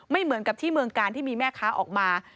เหมือนกับที่เมืองกาลที่มีแม่ค้าออกมา